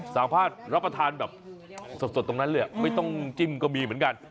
สามารถรับประทานแบบสดตรงนั้นเลยไม่ต้องจิ้มก็มีเหมือนกัน